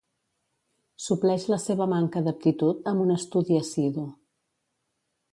Supleix la seva manca d'aptitud amb un estudi assidu.